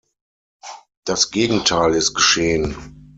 Das Gegenteil ist geschehen.